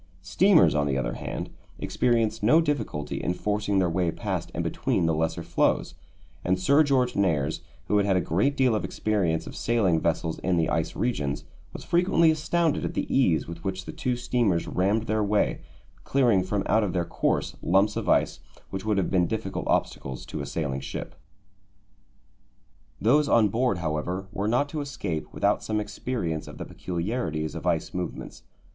Steamers, on the other hand, experience no difficulty in forcing their way past and between the lesser floes, and Sir George Nares, who had had a great deal of experience of sailing vessels in the ice regions, was frequently astounded at the ease with which the two steamers rammed their way, clearing from out of their course lumps of ice which would have been difficult obstacles to a sailing ship. Those on board, however, were not to escape without some experience of the peculiarities of ice movements.